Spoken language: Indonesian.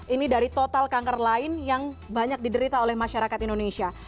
ini dari total kanker lain yang banyak diderita oleh masyarakat indonesia